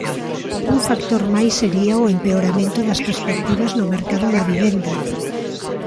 Un factor máis sería o empeoramento das perspectivas no mercado da vivenda.